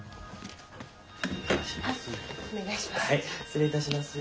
お願いします。